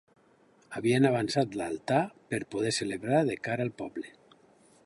Havien avançat l'altar per poder celebrar de cara al poble.